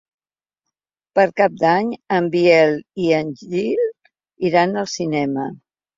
Per Cap d'Any en Biel i en Gil iran al cinema.